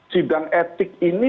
sidang etik ini